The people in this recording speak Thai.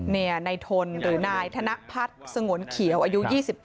เนี่ยไนท์ทนหรือนายธนพัฒน์สงงขี่อะอยู่๒๘ปีนะคะ